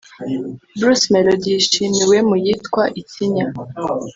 Bruce Melodie yishimiwe mu yitwa “Ikinya”